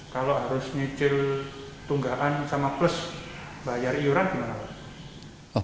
kalau harus nyucil tunggakan sama plus bayar iuran gimana